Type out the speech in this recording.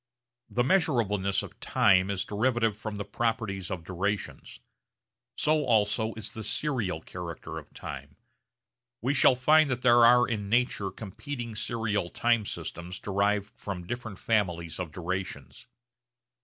The measurableness of time is derivative from the properties of durations. So also is the serial character of time. We shall find that there are in nature competing serial time systems derived from different families of durations.